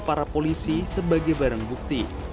para polisi sebagai barang bukti